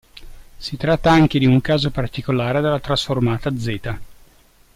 Si tratta anche di un caso particolare della trasformata zeta.